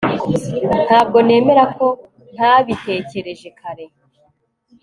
ntabwo nemera ko ntabitekereje kare